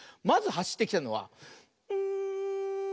まずはしってきたのはん。